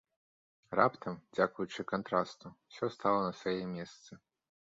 Раптам, дзякуючы кантрасту, усё стала на свае месцы.